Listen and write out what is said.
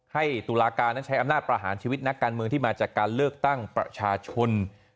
ตุลาการนั้นใช้อำนาจประหารชีวิตนักการเมืองที่มาจากการเลือกตั้งประชาชน